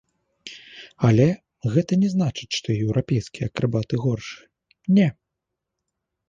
Але гэта не значыць, што еўрапейскія акрабаты горшыя, не!